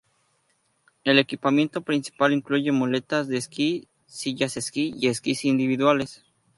El equipamiento principal incluye muletas de esquí, silla-esquí y esquís individuales.